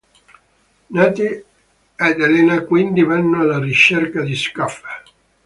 Nate ed Elena quindi vanno alla ricerca di Schafer.